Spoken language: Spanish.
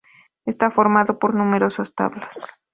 Está formado por numerosas tablas.